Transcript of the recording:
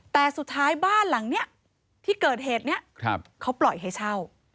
แต่สุดท้ายบ้านหลังนี้ที่เกิดเหตุนี้เขาปล่อยให้เช่า